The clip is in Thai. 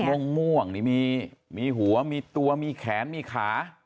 สีม่วงม่วงนี่มีมีหัวมีตัวมีแขนมีขา